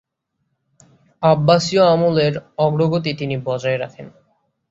আব্বাসীয় আমলের অগ্রগতি তিনি বজায় রাখেন।